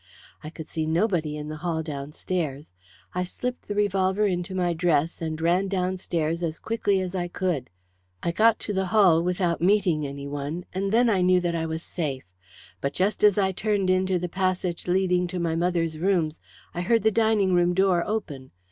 I could see nobody in the hall downstairs. I slipped the revolver into my dress and ran downstairs as quickly as I could. I got to the hall without meeting anyone, and then I knew that I was safe. But just as I turned into the passage leading to my mother's rooms I heard the dining room door open.